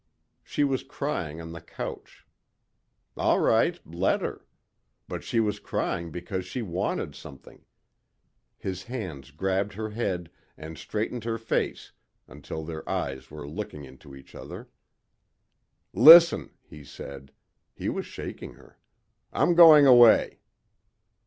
She was crying on the couch. All right. Let her. But she was crying because she wanted something.... His hands grabbed her head and straightened her face until their eyes were looking into each other. "Listen," he said. He was shaking her. "I'm going away."